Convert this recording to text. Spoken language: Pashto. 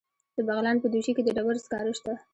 د بغلان په دوشي کې د ډبرو سکاره شته.